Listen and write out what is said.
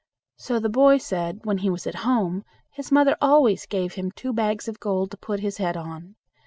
So the boy said, when he was at home his mother always gave him two bags of gold to put his head on.